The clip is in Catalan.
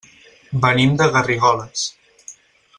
Venim de Garrigoles.